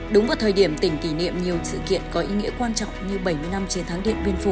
đúng vào thời điểm tỉnh kỷ niệm nhiều sự kiện có ý nghĩa quan trọng như bảy mươi năm chiến thắng điện biên phủ